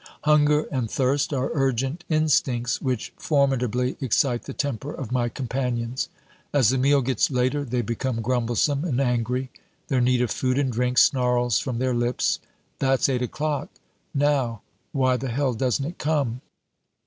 Hunger and thirst are urgent instincts which formidably excite the temper of my companions. As the meal gets later they become grumblesome and angry. Their need of food and drink snarls from their lips "That's eight o'clock. Now, why the hell doesn't it come?"